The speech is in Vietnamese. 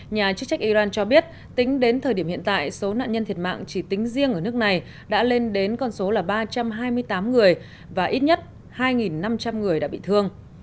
nhà chức trách iran cho biết tính đến thời điểm hiện tại số nạn nhân thiệt mạng chỉ tính riêng ở nước này đã lên đến con số là ba trăm hai mươi tám người và ít nhất hai năm trăm linh người đã bị thương